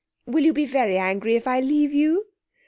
Will you be very angry if I leave you?'